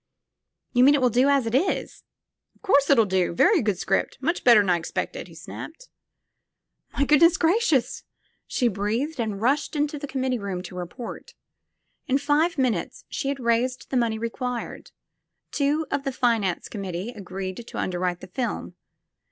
"You mean it will do as it is?" *' 'Course it 11 do. Very good 'script. Much better 'n I expected," he snapped. My goodness gracious!" she breathed, and rushed into the committee room to report. In five minutes she had raised the money required ; two of the finance com mittee agreed to underwrite the film.